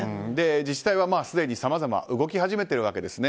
自治体は、すでにさまざま動き始めているわけですね。